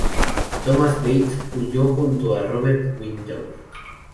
Thomas Bates huyó, junto a Robert Wintour.